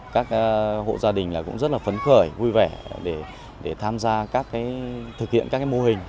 các hộ gia đình cũng rất là phấn khởi vui vẻ để tham gia các cái thực hiện các cái mô hình